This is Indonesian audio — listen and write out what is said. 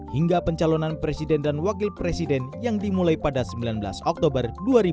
hingga pencalonan presiden dan wakil presiden yang dimulai pada sembilan belas oktober dua ribu dua puluh